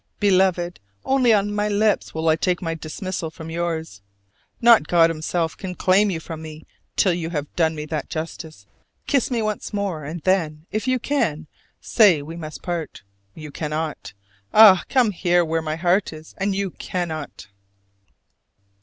Beloved, only on my lips will I take my dismissal from yours: not God himself can claim you from me till you have done me that justice. Kiss me once more, and then, if you can, say we must part. You cannot! Ah, come here where my heart is, and you cannot!